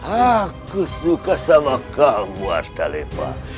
aku suka sama kamu artalemba